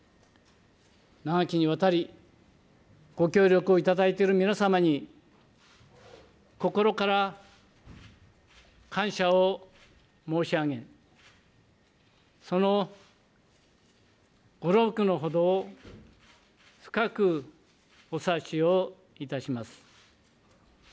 長きにわたり、ご協力をいただいている皆様に、心から感謝を申し上げ、そのご労苦のほどを深くお察しをいたします。